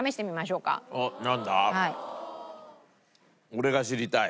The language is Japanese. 俺が知りたい。